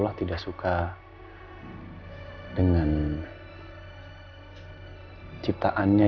ada kasur dengan selimutnya